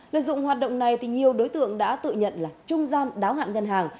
lợi dụng hoạt động này thì nhiều đối tượng đã tự nhận là trung gian đáo hạn ngân hàng